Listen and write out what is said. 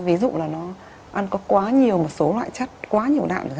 ví dụ là nó ăn có quá nhiều một số loại chất quá nhiều đạn rồi